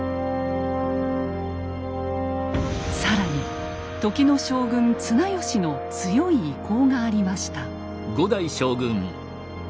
更に時の将軍綱吉の強い意向がありました。